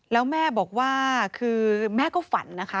แล้วแม่บอกว่าคือแม่ก็ฝันนะคะ